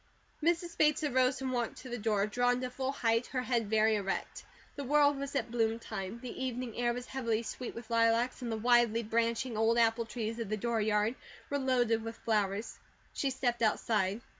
Mrs. Bates arose and walked to the door, drawn to full height, her head very erect. The world was at bloom time. The evening air was heavily sweet with lilacs, and the widely branching, old apple trees of the dooryard with loaded with flowers. She stepped outside.